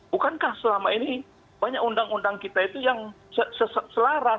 bukankah selama ini banyak undang undang kita itu yang selaras